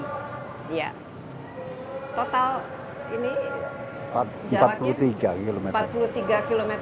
total ini empat puluh tiga km